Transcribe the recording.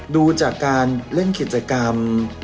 ดูจากการเล่นกิจกรรม